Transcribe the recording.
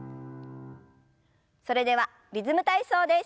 それでは「リズム体操」です。